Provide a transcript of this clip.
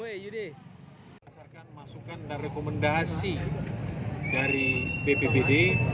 asalkan masukan dan rekomendasi dari bppd